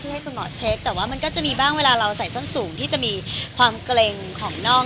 ให้คุณหมอเช็คแต่ว่ามันก็จะมีบ้างเวลาเราใส่ส้นสูงที่จะมีความเกร็งของนอก